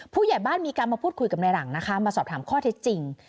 ผู้ใหญ่บ้านมีการมาพูดคุยกับในหลังนะคะมาสอบถามข้อเท็จจริง